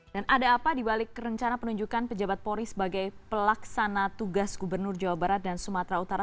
dan ada apa dibalik rencana penunjukan pejabat pori sebagai pelaksana tugas gubernur jawa barat dan sumatera utara